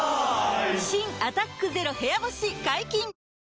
新「アタックＺＥＲＯ部屋干し」解禁‼